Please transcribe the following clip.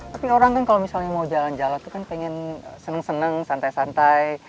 tapi orang kan kalau misalnya mau jalan jalan itu kan pengen seneng seneng santai santai